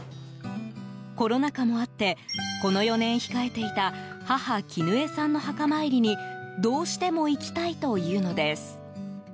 コロナ禍もあってこの４年、控えていた母キヌエさんの墓参りにどうしても行きたいというのです。